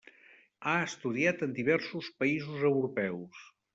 Ha estudiat en diversos països europeus.